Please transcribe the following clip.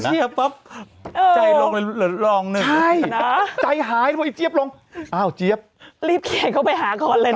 เจ๊บปั๊บใจลงเลยลองนึงใช่นะใจหายแล้วไอ้เจ๊บลงอ้าวเจ๊บรีบเขียนเข้าไปหาก่อนเลยนะ